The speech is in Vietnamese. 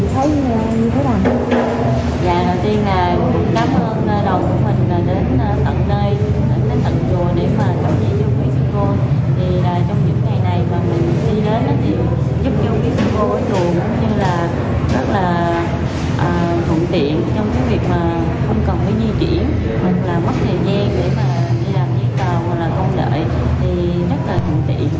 không là mất thời gian để mà đi làm giấy tờ hoặc là công đợi thì rất là hạnh phúc và cũng cảm ơn đồng minh rất là nhiều